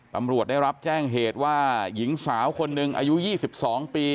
ตำรวจได้รับแจ้งเหตุว่าหญิงสาวคนหนึ่งอายุ๒๒ปี